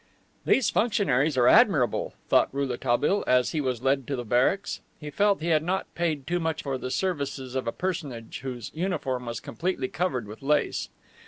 "These functionaries are admirable," thought Rouletabille as he was led to the barracks. He felt he had not paid too much for the services of a personage whose uniform was completely covered with lace.